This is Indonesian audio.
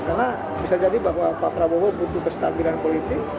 karena bisa jadi bahwa pak prabowo butuh kestabilan politik